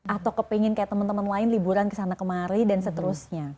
atau kepingin kayak teman teman lain liburan kesana kemari dan seterusnya